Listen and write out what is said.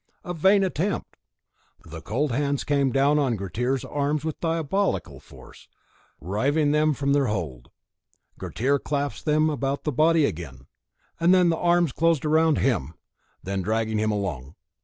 A vain attempt! The cold hands came down on Grettir's arms with diabolical force, riving them from their hold. Grettir clasped them about the body again; then the arms closed round him, and began dragging him along.